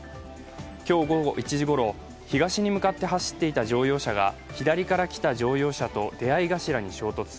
今日午後１時ごろ、東に向かって走っていた乗用車が左から来た乗用車と出会い頭に衝突。